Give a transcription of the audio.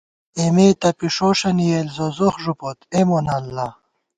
اېمے تپی ݭوݭَنی یېل، زوزوخ ݫپوت اے مونہ اللہ